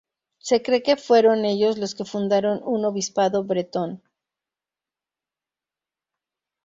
Se cree que fueron ellos los que fundaron un obispado bretón.